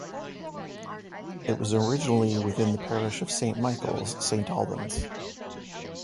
It was originally within the parish of Saint Michael's, Saint Albans.